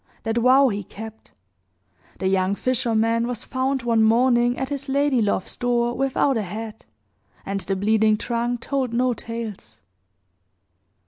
That vow he kept. The young fisherman was found one morning at his lady love's door without a head, and the bleeding trunk told no tales.